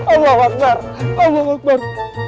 allah akbar allah akbar